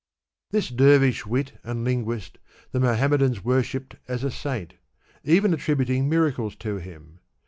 This dervish wit and Unguist the Mohammedans wor shipped as a s^int, even attributing miracles to hira.